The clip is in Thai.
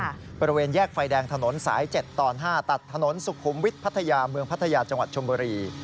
เป็นบริเวณแยกไฟแดงถนนสาย๗ตอน๕ตัดถนนสุขุมวิทพรรดีพัทยาจังหวัดชมบรี